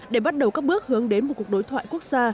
để bắt đầu các bước hướng đến một cuộc đối thoại quốc gia